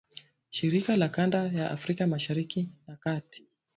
shirika za kanda ya Afrika Mashariki na Kati